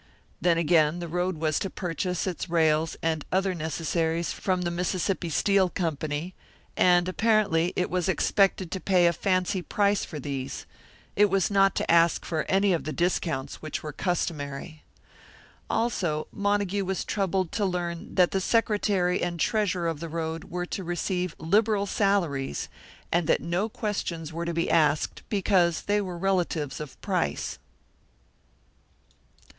Then again, the road was to purchase its rails and other necessaries from the Mississippi Steel Company, and apparently it was expected to pay a fancy price for these; it was not to ask for any of the discounts which were customary. Also Montague was troubled to learn that the secretary and treasurer of the road were to receive liberal salaries, and that no questions were to be asked, because they were relatives of Price.